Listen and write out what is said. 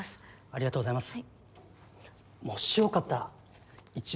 ありがとうございます。